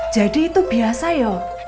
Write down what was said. jadi itu biasa yo